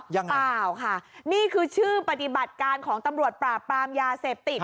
หรือเปล่าค่ะนี่คือชื่อปฏิบัติการของตำรวจปราบปรามยาเสพติด